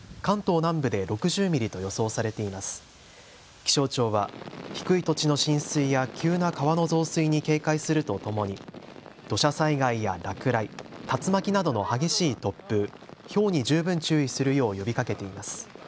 気象庁は低い土地の浸水や急な川の増水に警戒するとともに土砂災害や落雷、竜巻などの激しい突風、ひょうに十分注意するよう呼びかけています。